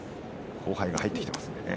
後輩が入ってきていますのでね